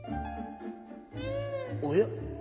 おや？